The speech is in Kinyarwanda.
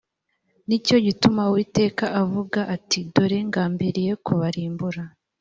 ni cyo gituma uwiteka avuga ati “dore ngambiriye kubarimbura”